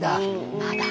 まだ。